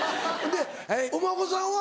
でお孫さんは？